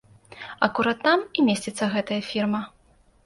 Акурат там і месціцца гэтая фірма.